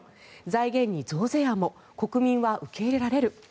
財源に増税案も国民は受け入れられる？